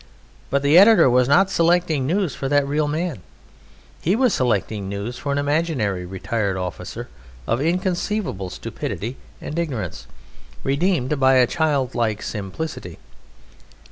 But the editor was not selecting news for that real man; he was selecting news for an imaginary retired officer of inconceivable stupidity and ignorance, redeemed by a childlike simplicity.